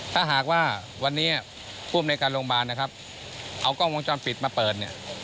ถ้าหากว่าวันนี้พนโรงพยาบาลเอากล้องวงจรปิดมาเปิด